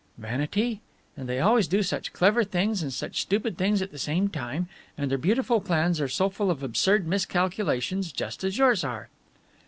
"Vanity? And they always do such clever things and such stupid things at the same time, and their beautiful plans are so full of absurd miscalculations, just as yours are."